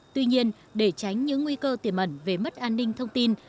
tuy nhiên để tránh những nguy cơ tiềm ẩn về mất an ninh thông tin